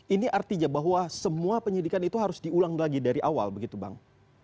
ini artinya bahwa semua penyidikan itu harus diulang lagi dari awal begitu bang